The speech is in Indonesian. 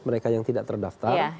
mereka yang tidak terdaftar